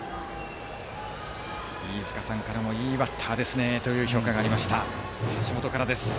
飯塚さんからもいいバッターと評価がありました橋本からです。